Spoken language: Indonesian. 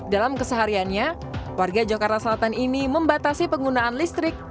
dalam kesehariannya warga jakarta selatan ini membatasi penggunaan listrik